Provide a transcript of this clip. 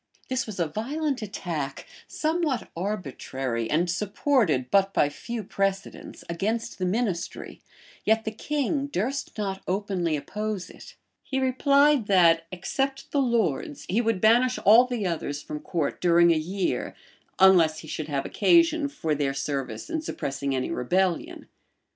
[*] This was a violent attack, somewhat arbitrary, and supported but by few precedents, against the ministry; yet the king durst not openly oppose it: he replied that, except the lords, he would banish all the others from court during a year, unless he should have occasion for their service in suppressing any rebellion.